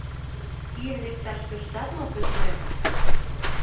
— Ийын лекташ тӧрштат мо, тӧсмӧк?